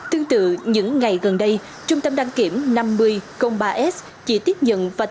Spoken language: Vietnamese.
tương tự những ngày gần đây trung tâm đăng kiểm năm mươi ba s chỉ tiếp nhận và